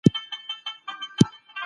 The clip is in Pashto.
مرګ د هر چا په لاره کي دی.